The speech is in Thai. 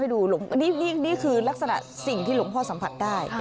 นี่คือลักษณะสิ่งที่หลวงพ่อสัมผัสได้